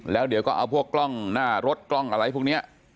แล้วเดี๋ยวก็เอาพวกกล้องหน้ารถกล้องอะไรพวกนี้